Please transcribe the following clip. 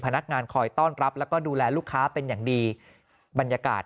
พนักงานคอยต้อนรับแล้วก็ดูแลลูกค้าเป็นอย่างดีบรรยากาศ